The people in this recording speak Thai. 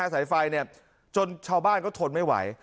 สายไฟจนชาวบ้านก็ทนไม่ไหว